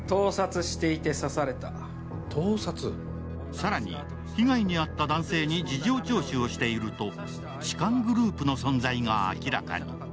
更に被害に遭った男性に事情聴取をしていると、痴漢グループの存在が明らかに。